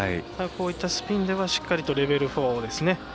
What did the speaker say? こういったスピンではしっかりとレベル４ですね。